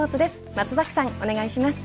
松崎さん、お願いします。